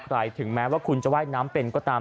ใครถึงแม้ว่าคุณจะไหว้น้ำเป็นก็ตาม